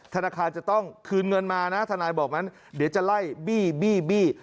ธนาคารจะต้องคืนเงินมานะทนายบอกงั้นเดี๋ยวจะไล่บี้บี้